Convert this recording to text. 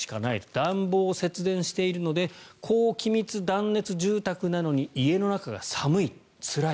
暖房を節電しているので高気密断熱住宅なのに家の中が寒い、つらい。